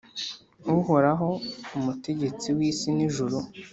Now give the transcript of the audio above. uhoraho, umutegetsi w’isi n’ijuru